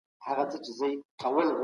روغه مور د روغې ټولنې نښه ده.